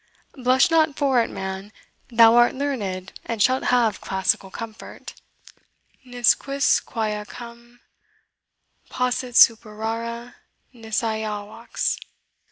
Blush not for it, man thou art learned, and shalt have classical comfort: 'Ne quisquam Ajacem possit superare nisi Ajax.'